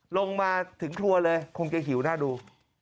ลงมาถึงครัวเลยคงเกลียดหิวหน้าดู